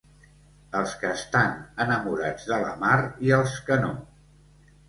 Els que estan enamorats de la mar i els que no.